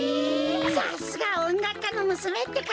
さすがおんがくかのむすめってか！